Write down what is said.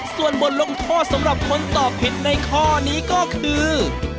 ส่วนบทลงโทษสำหรับคนตอบผิดในข้อนี้ก็คือ